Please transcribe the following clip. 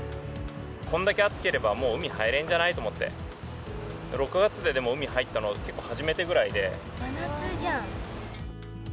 こんだけ暑ければ、もう海入れんじゃないと思って、６月で、でも、海入ったの、真夏じゃん。